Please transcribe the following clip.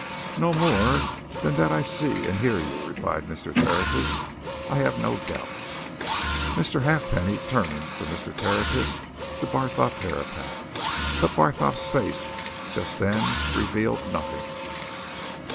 "No more than that I see and hear you," replied Mr. Tertius. "I have no doubt." Mr. Halfpenny turned from Mr. Tertius to Barthorpe Herapath. But Barthorpe's face just then revealed nothing.